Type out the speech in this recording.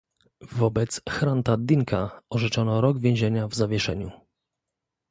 Wobec Hranta Dinka orzeczono rok więzienia w zawieszeniu